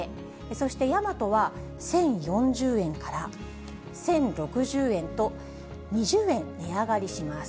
そしてヤマトは１０４０円から１０６０円と、２０円値上がりします。